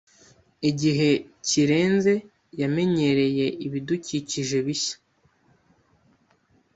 Igihe kirenze, yamenyereye ibidukikije bishya.